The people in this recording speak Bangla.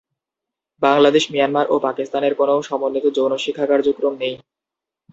বাংলাদেশ, মিয়ানমার, ও পাকিস্তানের কোনও সমন্বিত যৌন শিক্ষা কার্যক্রম নেই।